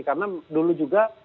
karena dulu juga